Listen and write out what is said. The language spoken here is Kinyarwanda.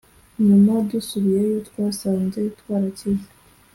nyuma dusubiyeyo twasanze twarakize